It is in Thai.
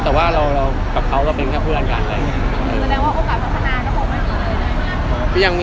แต่ว่าเรากับเขาก็เป็นเพื่อนกันเลย